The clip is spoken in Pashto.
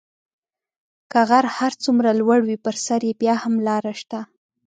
که غر هر څومره لوړ وي په سر یې بیا هم لاره شته .